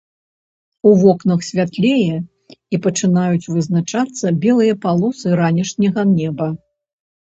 У вокнах святлее і пачынаюць вызначацца белыя палосы ранішняга неба.